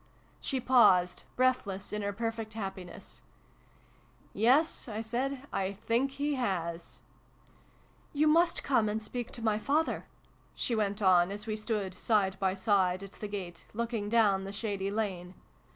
She paused, breathless in her perfect happiness. " Yes," I said. " I think He has !"" You must come and speak to my father," she went on, as we stood side by side at the gate, looking down the shady lane.